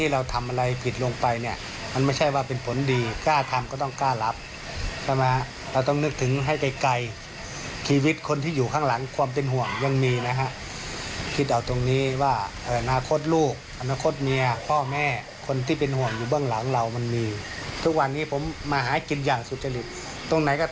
หากพีชทำมาค้าขายผมก็ไปปกติ